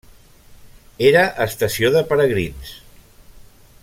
Era estació de peregrins.